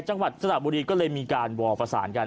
จังหวัดสระบุรีก็เลยมีการวอลประสานกัน